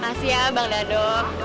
makasih ya bang dado